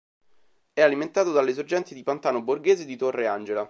È alimentato dalle sorgenti di Pantano Borghese e di Torre Angela.